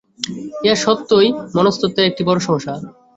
ইহা সত্যই মনস্তত্ত্বের একটি বড় সমস্যা।